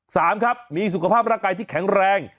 สามครับมีสุขภาพร่างกายที่แข็งแรง